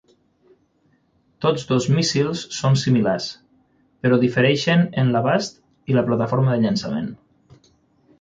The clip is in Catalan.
Tots dos míssils són similars, però difereixen en l'abast i la plataforma de llançament.